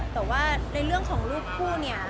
แต่ว่าในเรื่องของรูปคู่เนี่ย